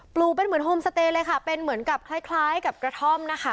ลูกเป็นเหมือนโฮมสเตย์เลยค่ะเป็นเหมือนกับคล้ายคล้ายกับกระท่อมนะคะ